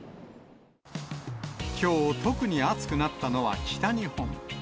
きょう、特に暑くなったのは北日本。